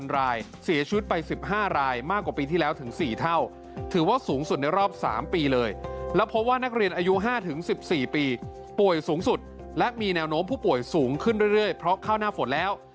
รายเสียชีวิตไป๑๕รายมากกว่าปีที่แล้วถึง๔เท่าถือว่าสูงสุดในรอบ๓ปีเลยแล้วพบว่านักเรียนอายุ๕๑๔ปีป่วยสูงสุดและมีแนวโน้มผู้ป่วยสูงขึ้นเรื่อยเพราะเข้าหน้าฝนแล้ว